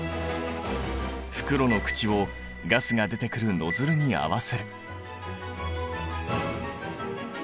袋の口をガスが出てくるノズルに合わせる。